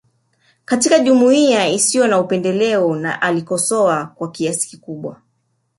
Katika jumuiya isiyo na upendeleo na alikosoa kwa kiasi kikubwa